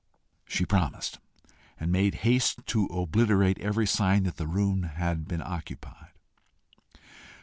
She promised, and made haste to obliterate every sign that the room had been occupied.